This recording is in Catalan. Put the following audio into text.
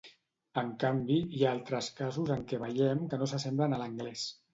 En canvi, hi ha altres casos en què veiem que no s'assemblen a l'anglès.